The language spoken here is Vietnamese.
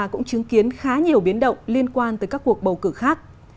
cũng chứng kiến khá nhiều biến động liên quan tới các cuộc bầu cử khác